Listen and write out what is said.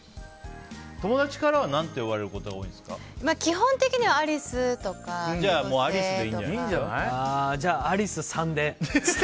友達からは何て呼ばれることが基本的にはアリスとかじゃあ、アリスさんで。